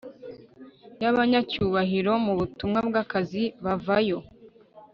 y abanyacyubahiro mu butumwa bw akazi bavayo